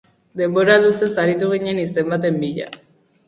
Denbora luzez aritu ginen izen baten bila.